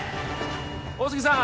大杉さん！